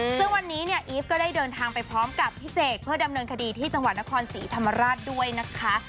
ซึ่งวันนี้เนี่ยอีฟก็ได้เดินทางไปพร้อมกับพี่เสกเพื่อดำเนินคดีที่จังหวัดนครศรีธรรมราชด้วยนะคะ